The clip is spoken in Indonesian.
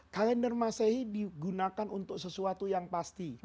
kalender masehi digunakan untuk sesuatu yang pasti